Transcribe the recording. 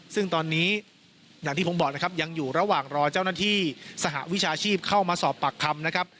ซึ่งตอนนี้อย่างที่ผมบอกนะครับยังอยู่ระหว่างรอเจ้าหน้าที่สหวิชาชีพเข้ามาสอบปากคำนะครับ